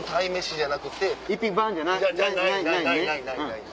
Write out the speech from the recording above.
じゃないね。